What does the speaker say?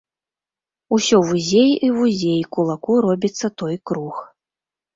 Усё вузей і вузей кулаку робіцца той круг.